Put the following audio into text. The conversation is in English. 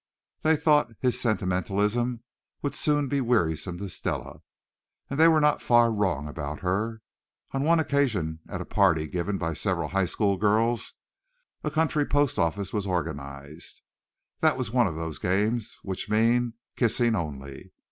They thought his sentimentalism would soon be wearisome to Stella. And they were not far wrong about her. On one occasion at a party given by several high school girls, a "country post office" was organized. That was one of those games which mean kissing only.